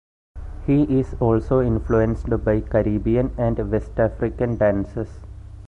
He is also influenced by Caribbean and West African dances.